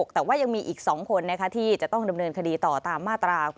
แต่ว่ายังมีอีก๒คนที่จะต้องดำเนินคดีต่อตามมาตรา๙